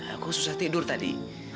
aku susah tidur tadi